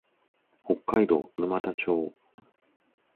北海道沼田町